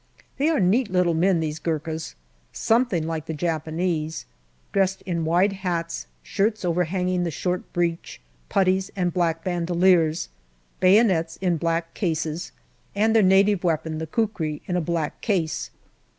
They are neat little men, these Gurkhas, something like the Japanese, dressed in wide hats, shirts overhanging the short breech, putties and black bandoliers; bayonets in black cases, and their native weapon, the kukri, in a black case.